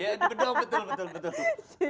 iya bedong betul betul